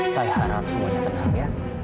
saya harap semuanya tenang ya